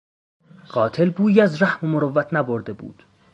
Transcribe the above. قاتل بویی از رحم و مروت نبرده بود.